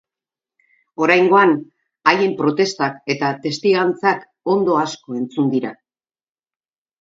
Oraingoan haien protestak eta testigantzak ondo asko entzun dira.